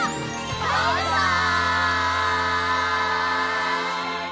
バイバイ！